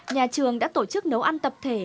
nhà trường đã tổ chức nấu ăn tập thể